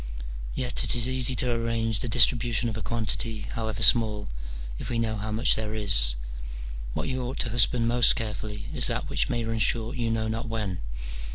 Yet it is easy to arrange the distribution of a quantity, however small, if we know how much there is : what you ought to husband most carefully is that which may run short you know not when.